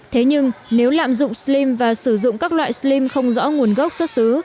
thế nhưng nếu lạm dụng slim và sử dụng các loại slim không rõ nguồn gốc xuất xứ